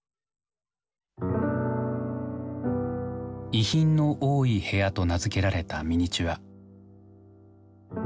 「遺品の多い部屋」と名付けられたミニチュア。